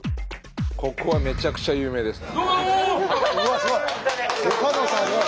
ここはめちゃくちゃ有名です。